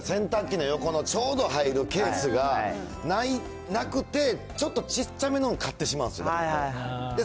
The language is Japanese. さっき言うた洗濯機の横のちょうど入るケースがなくて、ちょっとちっちゃめのを買ってしまうんですよ。